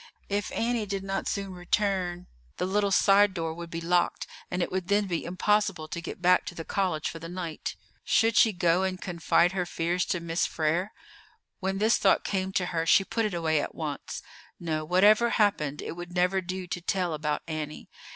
If Annie did not soon return, the little side door would be locked, and it would then be impossible to get back to the college for the night. Should she go and confide her fears to Miss Frere? When this thought came to her she put it away at once. No; whatever happened, it would never do to tell about Annie.